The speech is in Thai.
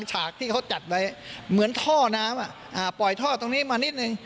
ปล่อยอีกช่อดึง